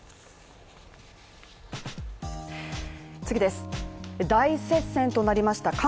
次です、大接戦となりました